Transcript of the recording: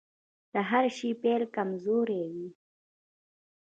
د هر شي پيل کمزوری وي .